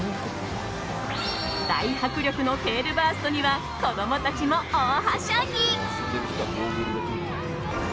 大迫力のテールバーストには子供たちも大はしゃぎ！